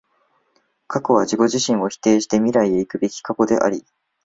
過去は自己自身を否定して未来へ行くべく過去であり、